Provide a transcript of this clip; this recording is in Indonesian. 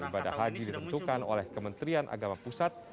ibadah haji ditentukan oleh kementerian agama pusat